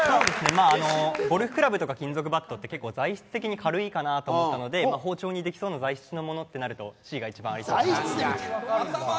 ゴルフクラブとか金属バットって結構、材質的に軽いかなと思ったので、包丁にできそうな材質のものってＣが一番ありそうかなと。